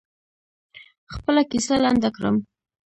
خپله کیسه لنډه کړم.